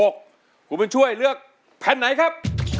กลุ่มมันช่วยเลือกแผ่นไหนครับ